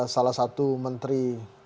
salah satu menteri